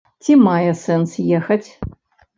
Ці мае сэнс ехаць?